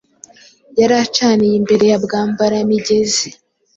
Yari acaniye imbere ya Bwambara-migezi